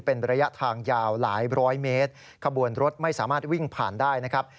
เป็นระยะทางยาวหลายร้อยเมตรขบวนรถไม่สามารถวิ่งผ่านได้นะครับ